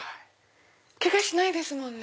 ケガしないですもんね。